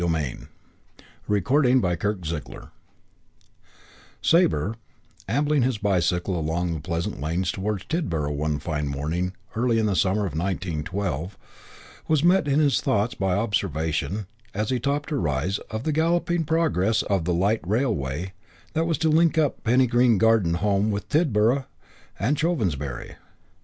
PART TWO NONA CHAPTER I I Sabre, ambling his bicycle along the pleasant lanes towards Tidborough one fine morning in the early summer of 1912, was met in his thoughts by observation, as he topped a rise, of the galloping progress of the light railway that was to link up the Penny Green Garden Home with Tidborough and Chovensbury.